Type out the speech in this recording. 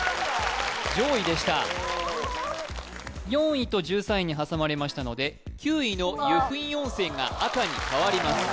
上位でした４位と１３位に挟まれましたので９位の由布院温泉が赤に変わります